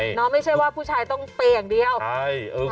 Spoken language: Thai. ไม่ใช่ว่าผู้ชายต้องเปลี่ยนอย่างเดียว